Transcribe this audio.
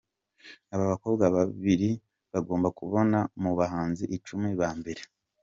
Abakobwa babiri bagomba kuboneka mu bahanzi icumi ba mbere.